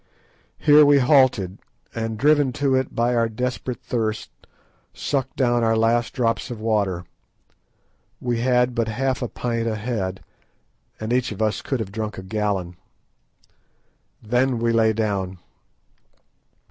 Here we halted, and driven to it by our desperate thirst, sucked down our last drops of water. We had but half a pint a head, and each of us could have drunk a gallon. Then we lay down.